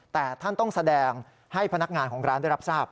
แต่ท่านต้องแสดงให้พนักงานของร้านได้รับทราบ